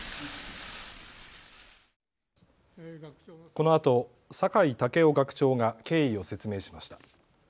このあと酒井健夫学長が経緯を説明しました。